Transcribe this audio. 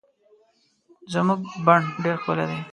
زمونږ بڼ ډير ښکلي دي